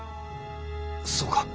そうか。